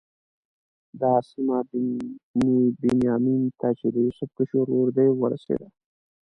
دا سیمه بني بنیامین ته چې د یوسف کشر ورور دی ورسېده.